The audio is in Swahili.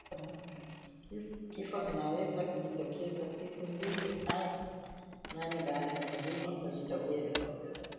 Kifo kinaweza kujitokeza siku mbili hadi nane baada ya dalili kujitokeza